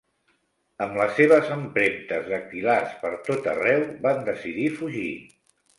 Amb les seves empremtes dactilars per tot arreu, van decidir fugir.